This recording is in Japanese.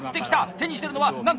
手にしてるのは何だ？